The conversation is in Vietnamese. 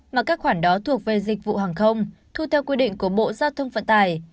mà các khoản đó thuộc về dịch vụ hàng không thu theo quy định của bộ giao thông vận tải